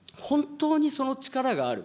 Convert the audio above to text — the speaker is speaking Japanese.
本当にその力がある。